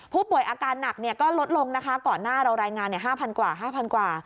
ผู้ป่วยอาการหนักเนี่ยก็ลดลงนะคะก่อนหน้าเรารายงานเนี่ยห้าพันกว่าห้าพันกว่า